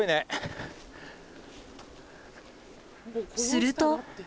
すると。